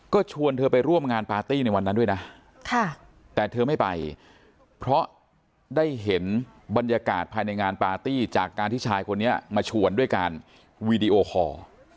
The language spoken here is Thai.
ก็ชวนเธอไปร่วมงานปาร์ตี้ในวันนั้นด้วยนะแต่เธอไม่ไปเพราะได้เห็นบรรยากาศภายในงานปาร์ตี้จากการที่ชายคนนี้มาชวนด้วยการวีดีโอคอร์